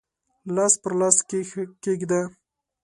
لاس پر لاس کښېږده